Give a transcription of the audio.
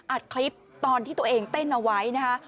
อัดคลิปตอนที่ตัวเองเต้นเอาไว้นะคะ